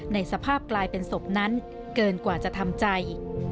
ในสภาพกลายเป็นศพนั้นเกินกว่าจะทำใจ